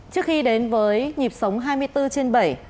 trước khi đến với nhịp sống hai mươi bốn trên bảy